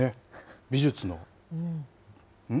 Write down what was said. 美術の、ん？